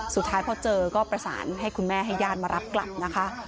สุดท้ายพอเจอก็ประสานให้คุณแม่ให้ญาติมารับกลับนะคะ